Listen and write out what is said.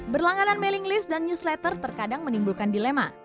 berlangganan mailing list dan newsletter terkadang menimbulkan dilema